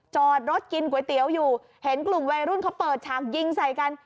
จอดรถกินก๋วยเตี๋ยวอยู่เห็นกลุ่มวัยรุ่นเขาเปิดฉากยิงใส่กัน